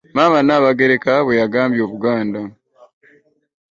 Maama Nnaabagereka bwe yagambye obuganda